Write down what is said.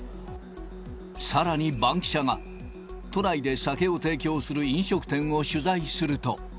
さらにバンキシャが都内で酒を提供する飲食店を取材すると。